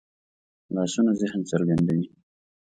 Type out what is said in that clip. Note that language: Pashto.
لاسونه ذهن څرګندوي